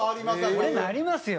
俺もありますよ。